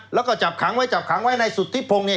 แล้วก็จับขังไว้นายสุธิพงเนี้ย